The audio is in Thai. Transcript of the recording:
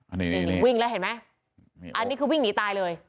อันนี้วิ่งแล้วเห็นไหมอันนี้คือวิ่งหนีตายเลย